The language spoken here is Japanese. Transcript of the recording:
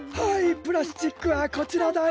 プラスチックはこちらだよ。